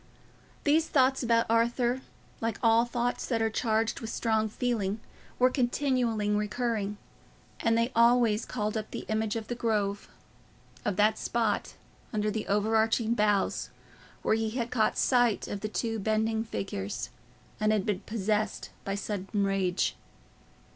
These thoughts about Arthur, like all thoughts that are charged with strong feeling, were continually recurring, and they always called up the image of the Grove—of that spot under the overarching boughs where he had caught sight of the two bending figures, and had been possessed by sudden rage.